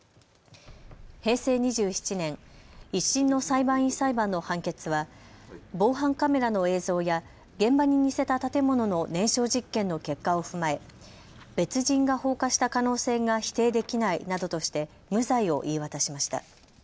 平成２７年、１審の裁判員裁判の判決は防犯カメラの映像や現場に似せた建物の燃焼実験の結果を踏まえ別人が放火した可能性が否定できないなどとして無罪を言い渡しました。